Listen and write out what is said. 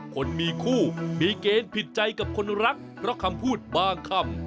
คนมีคู่มีเกณฑ์ผิดใจกับคนรักเพราะคำพูดบางคำ